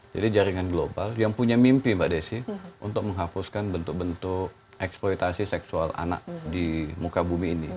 jadi jaringan global yang punya mimpi mbak desi untuk menghapuskan bentuk bentuk eksploitasi seksual anak di muka bumi ini